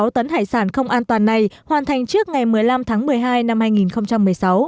hai mươi tấn hải sản không an toàn này hoàn thành trước ngày một mươi năm tháng một mươi hai năm hai nghìn một mươi sáu